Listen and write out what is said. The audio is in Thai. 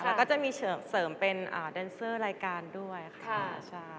แล้วก็จะมีเสริมเป็นแดนเซอร์รายการด้วยค่ะใช่